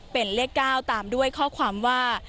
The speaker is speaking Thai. เป็นเลข๙ตามด้วยข้อความว่า